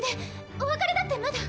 お別れだってまだ。